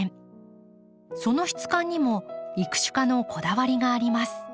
その質感にも育種家のこだわりがあります。